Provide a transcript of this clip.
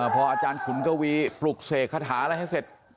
พออาจารย์ขุนกวีปลุกเสกคาถาอะไรให้เสร็จ